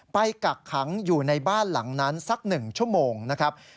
กักขังอยู่ในบ้านหลังนั้นสัก๑ชั่วโมงนะครับ